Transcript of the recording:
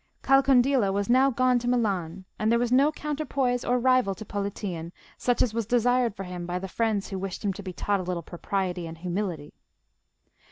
Calcondila was now gone to Milan, and there was no counterpoise or rival to Politian such as was desired for him by the friends who wished him to be taught a little propriety and humility.